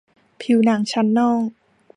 ผิวหนังชั้นนอก